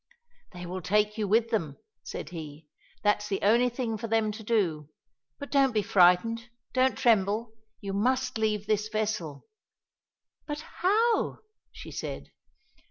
"They will take you with them," said he; "that's the only thing for them to do. But don't be frightened, don't tremble. You must leave this vessel." "But how?" she said.